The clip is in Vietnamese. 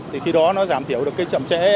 thì khi đó nó giảm thiểu được cái chậm trễ